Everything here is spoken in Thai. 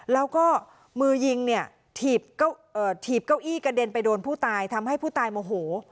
แล้วก็มือยิงเนี่ยถีบเก้าอี้กระเด็นไปโดนผู้ตายทำให้ผู้ตายโมโห